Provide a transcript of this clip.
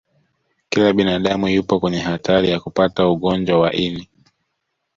kila binadamu yupo kwenye hatari ya kupata ugonjwa wa ini